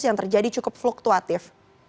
yang terjadi cukup fluktuatif